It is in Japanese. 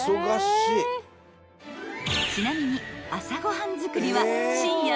［ちなみに］